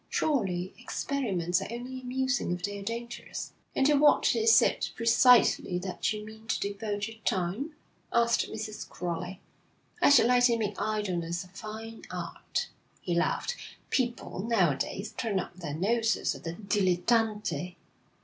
'Surely experiments are only amusing if they're dangerous.' 'And to what is it precisely that you mean to devote your time?' asked Mrs. Crowley. 'I should like to make idleness a fine art,' he laughed. 'People, now a days, turn up their noses at the dilettante.